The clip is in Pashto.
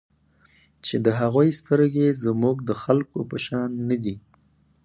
چې د هغوی سترګې زموږ د خلکو په شان نه دي.